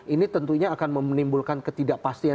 ini tentunya akan menimbulkan ketidakpastian